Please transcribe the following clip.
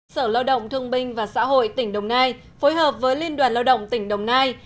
sở lao động thương binh và xã hội tỉnh đồng nai phối hợp với liên đoàn lao động tỉnh đồng nai